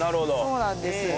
そうなんです。